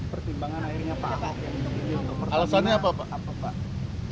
pertimbangan akhirnya pak alasannya apa pak